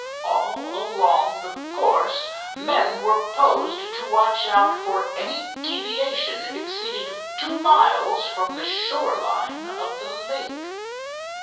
All along the course men were posted to watch out for any deviation exceeding two miles from the shore line of the lake.